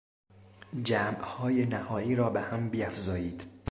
جمعهای نهایی را به هم بیافزایید.